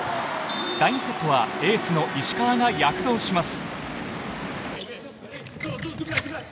第２セットはエースの石川が躍動します。